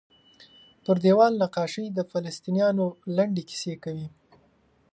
پر دیوال نقاشۍ د فلسطینیانو لنډې کیسې کوي.